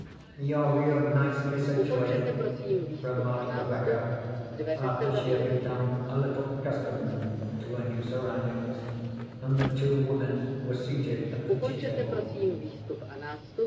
"You're real nicely situated," remarked Rebecca, after she had become a little accustomed to her new surroundings and the two women were seated at the tea table.